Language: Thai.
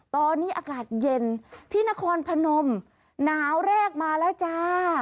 ตอนนี้อากาศเย็นที่นครพนมหนาวแรกมาแล้วจ้า